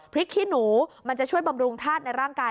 ขี้หนูมันจะช่วยบำรุงธาตุในร่างกาย